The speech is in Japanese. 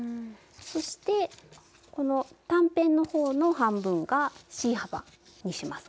そしてこの短辺の方の半分がＣ幅にしますね。